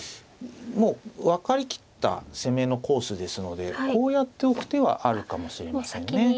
もう分かりきった攻めのコースですのでこうやっておく手はあるかもしれないですね。